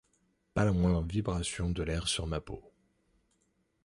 Pas la moindre vibration de l’air sur ma peau.